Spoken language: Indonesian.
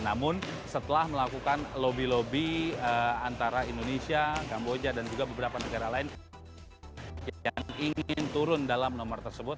namun setelah melakukan lobby lobby antara indonesia kamboja dan juga beberapa negara lain yang ingin turun dalam nomor tersebut